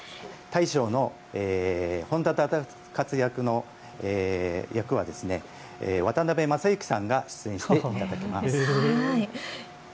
大将の本多忠勝の役は渡辺正行さん、出演していただきます。